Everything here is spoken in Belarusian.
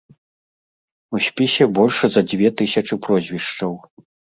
У спісе больш за дзве тысячы прозвішчаў.